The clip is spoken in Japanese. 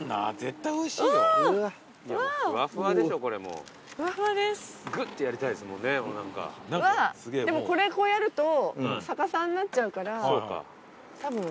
うわでもこれこうやると逆さになっちゃうからたぶん。